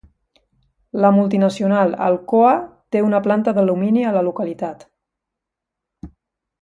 La multinacional Alcoa té una planta d'alumini a la localitat.